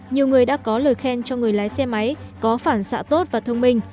nhiều người đã có lời khen cho người lái xe máy có phản xạ tốt và thông minh